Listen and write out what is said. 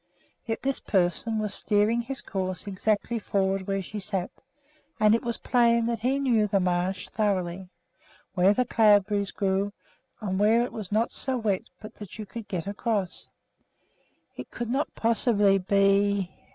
Yet this person was steering his course exactly toward where she sat, and it was plain that he knew the marsh thoroughly, where the cloudberries grew, and where it was not so wet but that you could get across. It could not possibly be